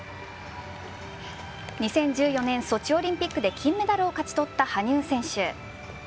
２０１４年ソチオリンピックで金メダルを勝ち取った羽生選手。